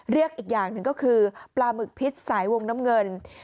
เรียกอีกอย่างหนึ่งก็คือปลาหมึกพิษสายวงน้ำเงิน